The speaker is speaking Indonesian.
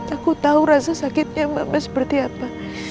aku tau rasa sakitnya mama seperti apa